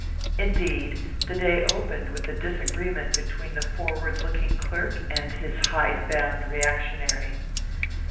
Indeed, the day opened with a disagreement between the forward looking clerk and his hide bound reactionary.